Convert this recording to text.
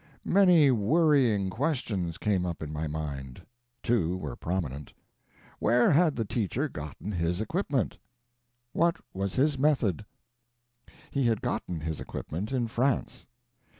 Many worrying questions came up in my mind. Two were prominent. Where had the teacher gotten his equipment? What was his method? He had gotten his equipment in France.